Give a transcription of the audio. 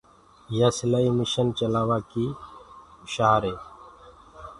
يآ سِلآئي مشن چلآوآ ڪيٚ مآهر هي۔